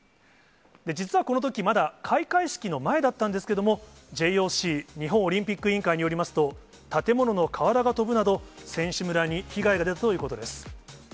実はこのときまだ開会式の前だったんですけども、ＪＯＣ・日本オリンピック委員会によりますと、建物の瓦が飛ぶなど、選手村に被害が出たということです。